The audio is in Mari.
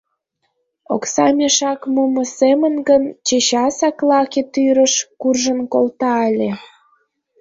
Окса мешак мумо семын гын, чечасак лаке тӱрыш куржын колта ыле.